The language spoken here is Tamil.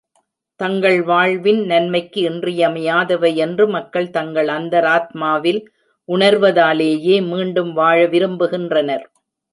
தங்கள் வாழ்வின் நன்மைக்கு இன்றியமையாதவை என்று மக்கள் தங்கள் அந்த ராத்மாவில் உணர்வதாலேயே மீண்டும் வாழ விரும்புகின்றனர்.